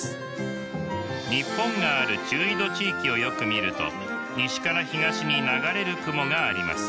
日本がある中緯度地域をよく見ると西から東に流れる雲があります。